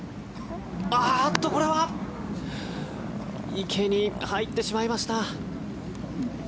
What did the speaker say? あっと、これは池に入ってしまいました。